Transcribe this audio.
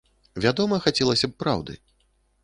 Вядома, хацелася б праўды.